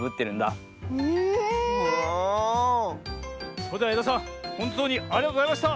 それではえださんほんとうにありがとうございました！